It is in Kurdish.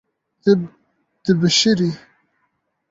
Tu dibişirî.